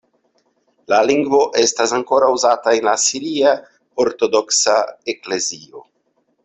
La lingvo estas ankoraŭ uzata en la siria ortodoksa eklezio.